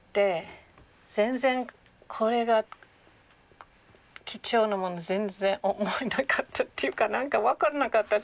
全然これが貴重なもの全然思わなかったっていうか何か分からなかった。